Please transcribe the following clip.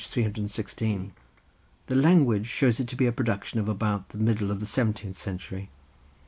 316; the language shows it to be a production of about the middle of the seventeenth century.